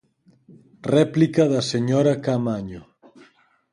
Réplica da señora Caamaño.